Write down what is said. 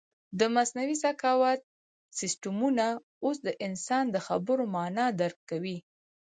د مصنوعي ذکاوت سیسټمونه اوس د انسان د خبرو مانا درک کوي.